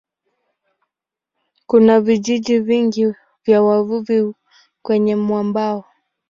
Kuna vijiji vingi vya wavuvi kwenye mwambao.